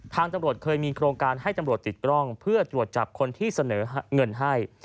ตำรวจเคยมีโครงการให้ตำรวจติดกล้องเพื่อตรวจจับคนที่เสนอเงินให้